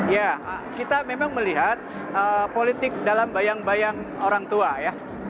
ya kita memang melihat politik dalam bayang bayang orang tua ya